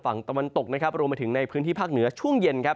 ฝั่งตะวันตกรวมมาถึงในพื้นที่ภาคเหนือช่วงเย็น